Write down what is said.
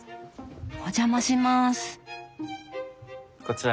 お邪魔します！